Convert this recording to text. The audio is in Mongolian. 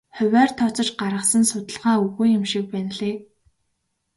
Хувиар тооцож гаргасан судалгаа үгүй юм шиг байна лээ.